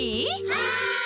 はい！